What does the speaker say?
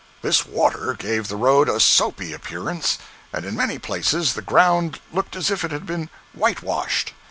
This water gave the road a soapy appearance, and in many places the ground looked as if it had been whitewashed.